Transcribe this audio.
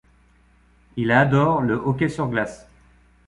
Il adore le hockey sur glace.